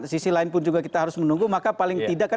sisi lain pun juga kita harus menunggu maka paling tidak kan